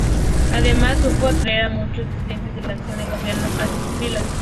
Además, supo atraer a muchos disidentes de la acción del Gobierno hacia sus filas.